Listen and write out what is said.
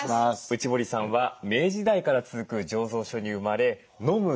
内堀さんは明治時代から続く醸造所に生まれのむ